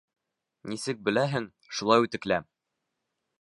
Нисек беләһең, шулай үтеклә!